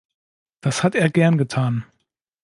Das hat er gern getan.